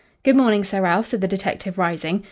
"Good morning, Sir Ralph," said the detective, rising.